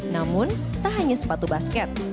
namun tak hanya sepatu basket